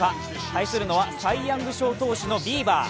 対するのはサイ・ヤング賞投手のビーバー。